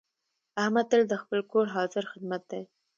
احمد تل د خپل کور حاضر خدمت دی.